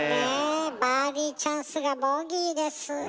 バーディーチャンスがボギーです。